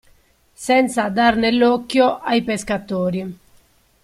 Senza dar nell'occhio ai pescatori.